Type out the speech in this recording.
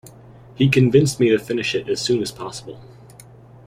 He convinced me to finish it as soon as possible.